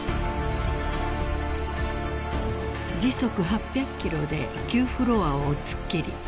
［時速８００キロで９フロアを突っ切り